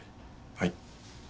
はい。